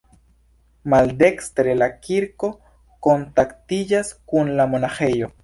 Maldekstre la kirko kontaktiĝas kun la monaĥejo.